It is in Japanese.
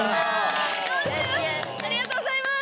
ありがとうございます！